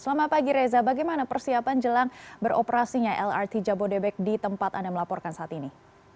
selamat pagi reza bagaimana persiapan jelang beroperasinya lrt jabodebek di tempat anda melaporkan saat ini